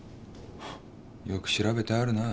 フッよく調べてあるなぁ。